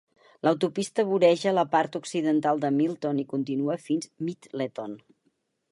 L'autopista voreja la part occidental de Milton i continua fins Middleton.